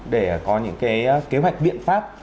để có những kế hoạch biện pháp